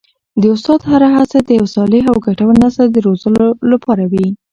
د استاد هره هڅه د یو صالح او ګټور نسل د روزلو لپاره وي.